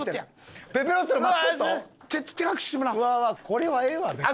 これはええわ別に。